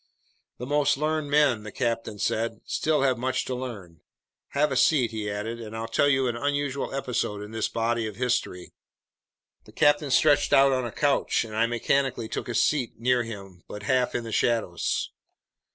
"The most learned men," the captain said, "still have much to learn. Have a seat," he added, "and I'll tell you about an unusual episode in this body of history." The captain stretched out on a couch, and I mechanically took a seat near him, but half in the shadows.